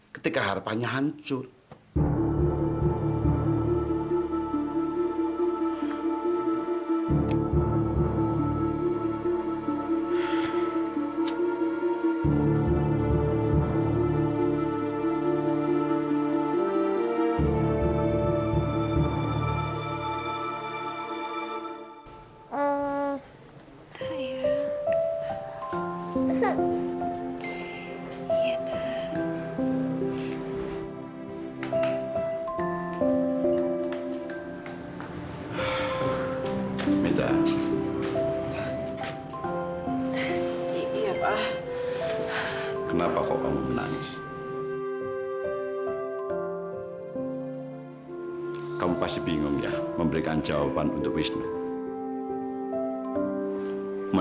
bersama dengan kami